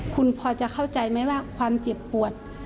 คุณพอจะเข้าใจไหมว่าความเจ็บปวด